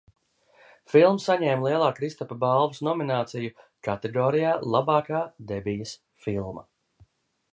"Filma saņēma Lielā Kristapa balvas nomināciju kategorijā "Labākā debijas filma"."